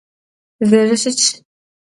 Zerışıtş.